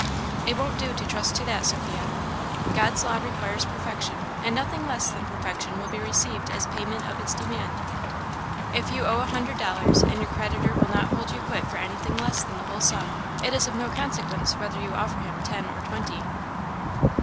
"It won't do to trust to that, Sophia. God's law requires perfection; and nothing less than perfection will be received as payment of its demand. If you owe a hundred dollars, and your creditor will not hold you quit for anything less than the whole sum, it is of no consequence whether you offer him ten or twenty."